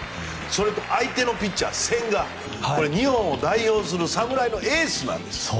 それと相手のピッチャー、千賀日本を代表する侍のエースなんです。